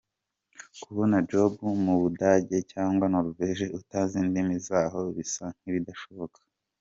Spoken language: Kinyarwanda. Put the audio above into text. Kubona job mu budage cg Norvege utazi indimi zaho bisa nkibidashoboka.